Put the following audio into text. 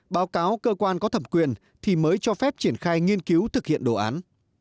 báo cáo cơ quan có thẩm quyền thì mới cho phép triển khai nghiên cứu thực hiện đồ án